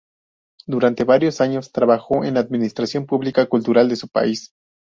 Durante varios años trabajó en la administración pública cultural de su país.